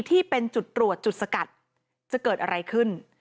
ที่เป็นจุดตรวจจุดสกัดจะเกิดอะไรขึ้น